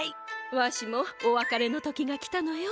わしもおわかれの時が来たのよ。